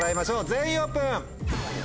全員オープン！